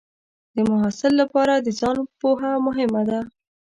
د محصل لپاره د ځان پوهه مهمه ده.